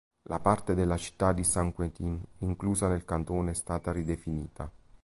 La parte della città di Saint-Quentin inclusa nel cantone è stata ridefinita.